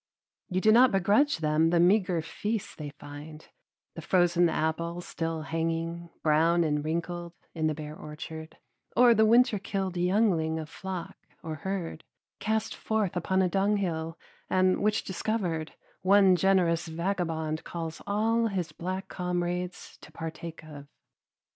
You do not begrudge them the meagre feasts they find, the frozen apple still hanging, brown and wrinkled, in the bare orchard, or the winter killed youngling of flock or herd, cast forth upon a dunghill, and which discovered, one generous vagabond calls all his black comrades to partake of.